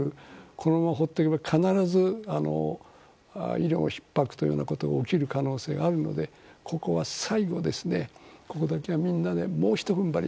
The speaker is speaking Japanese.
このまま放っておけば必ず医療ひっ迫ということが起きる可能性があるのでここは再度みんなでもうひと踏ん張り